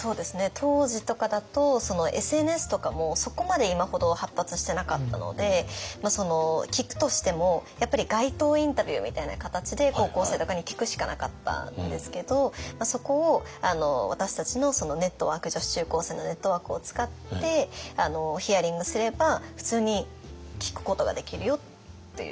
当時とかだとＳＮＳとかもそこまで今ほど発達してなかったので聞くとしてもやっぱり街頭インタビューみたいな形で高校生とかに聞くしかなかったんですけどそこを私たちの女子中高生のネットワークを使ってヒアリングすれば普通に聞くことができるよっていうような感じ。